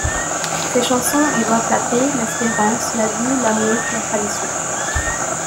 Ses chansons évoquent la paix, l’espérance, la vie, l’amour, la tradition.